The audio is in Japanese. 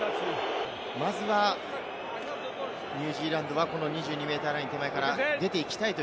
まずはニュージーランドはこの２２ｍラインから出ていきたいと